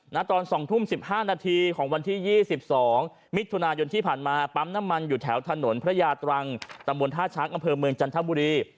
ตอน๒ทุ่ม๑๕นาทีของวันที่๒๒มิถุนายนที่ผ่านมาปั๊มน้ำมันอยู่แถวถนนพระยาตรังตำบลท่าช้างอำเภอเมืองจันทบุรี